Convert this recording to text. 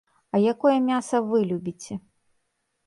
А якое мяса вы любіце?